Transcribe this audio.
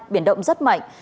biển động rất mạnh